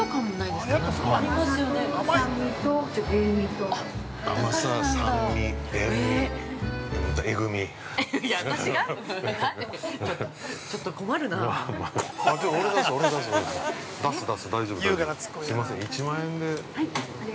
すみません、１万円で。